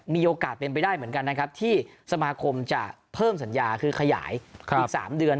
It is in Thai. มีโอกาสเป็นไปได้เหมือนกันนะครับที่สมาคมจะเพิ่มสัญญาคือขยายอีก๓เดือน